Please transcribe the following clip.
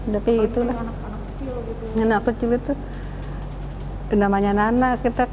tapi itu lah anak anak kecil itu namanya nana